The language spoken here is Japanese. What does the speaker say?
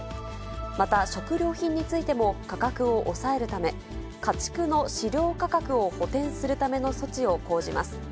また食料品についても価格を抑えるため、家畜の飼料価格を補填するための措置を講じます。